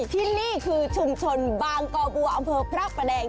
ที่นี่คือชุมชนบางกอบัวอำเภอพระประแดง